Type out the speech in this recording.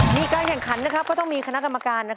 มีการแข่งขันก็ต้องมีคณะกรรมการ